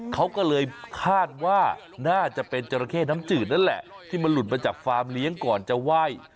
เขาก็เลยคาดว่าน่าจะเป็นจราเข้น้ำจืดนั่นแหละที่มันหลุดมาจากฟาร์มเลี้ยงก่อนจะไหว้